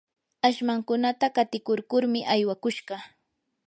ashmankunata qatikurkurmi aywakushqa.